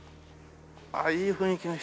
ああいい雰囲気の。